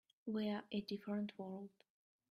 We're a different world.